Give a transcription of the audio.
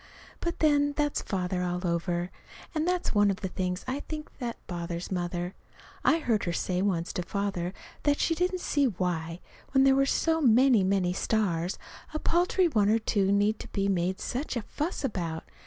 But, then, that's Father all over. And that's one of the things, I think, that bothers Mother. I heard her say once to Father that she didn't see why, when there were so many, many stars, a paltry one or two more need to be made such a fuss about.